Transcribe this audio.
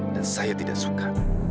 dan saya tidak suka